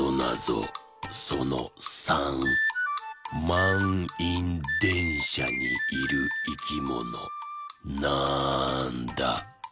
まんいんでんしゃにいるいきものなんだ？